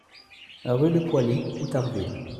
Rue de Poily, Outarville